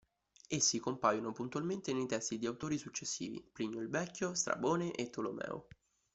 Essi compaiono puntualmente nei testi di autori successivi: Plinio il Vecchio, Strabone e Tolomeo.